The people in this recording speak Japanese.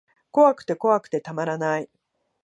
怖くて怖くてたまらない